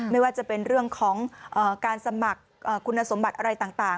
ไม่ว่าจะเป็นเรื่องของการสมัครคุณสมบัติอะไรต่าง